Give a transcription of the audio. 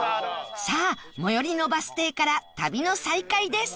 さあ最寄りのバス停から旅の再開です